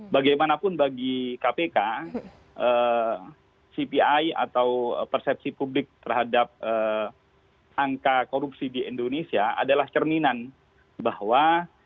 bagaimanapun bagi kpk cpi atau persepsi publik terhadap angka korupsi di indonesia adalah cerminan bahwa